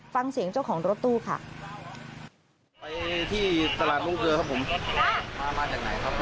ฟังเสียงเจ้าของรถตู้ค่ะไปที่ตลาดลูกเรือครับผมมามาจากไหนครับ